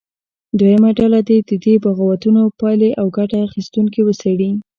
دویمه ډله دې د دې بغاوتونو پایلې او ګټه اخیستونکي وڅېړي.